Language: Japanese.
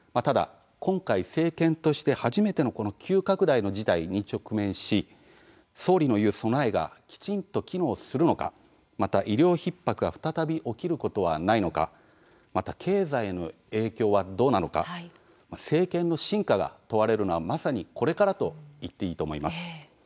今回政権として初めて急拡大の事態に直面し総理の言う備えがきちんと機能するのかまた医療ひっ迫が再び起きることはないのかまた経済への影響はどうなのか政権の真価が問われるのはまさにこれからといっていいと思います。